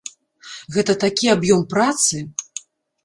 Гэта такі аб'ём працы!